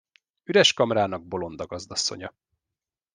Üres kamrának bolond a gazdasszonya.